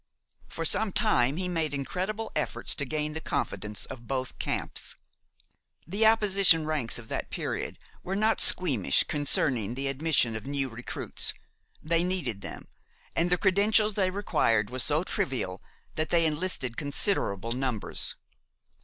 For some time he made incredible efforts to gain the confidence of both camps. The opposition ranks of that period were not squeamish concerning the admission of new recruits. They needed them, and the credentials they required were so trivial, that they enlisted considerable numbers.